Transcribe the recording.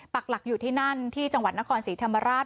ปักหลักอยู่ที่นั่นที่จังหวัดนครศรีธรรมราช